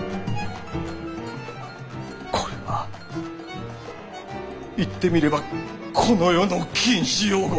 これは言ってみればこの世の「禁止用語」。